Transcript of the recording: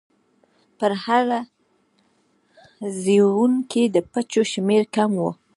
په هر زېږون کې د بچو شمېر کم و.